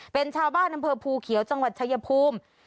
เป็นชาวบ้านอำเภอภูเขียวจังหวัดชายภูมิ